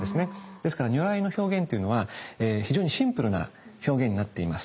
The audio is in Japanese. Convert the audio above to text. ですから如来の表現っていうのは非常にシンプルな表現になっています。